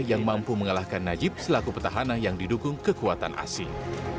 yang mampu mengalahkan najib selaku petahana yang didukung kekuatan asing